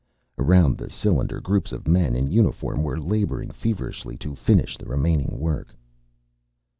Around the cylinder groups of men in uniform were laboring feverishly to finish the remaining work.